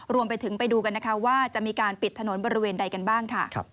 รวมไปถึงไปดูกันนะคะว่าจะมีการปิดถนนบริเวณใดกันบ้างค่ะ